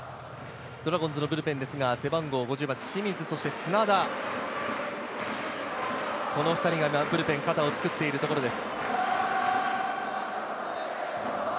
ドラゴンズのブルペンですが、背番号５８・清水、そして砂田この２人がブルペンで肩をつくっているところです。